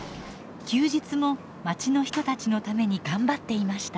休日もまちの人たちのために頑張っていました。